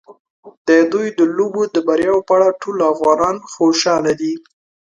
د دوی د لوبو د بریاوو په اړه ټول افغانان خوشاله دي.